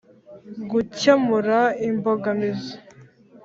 Gukemura imbogamizi.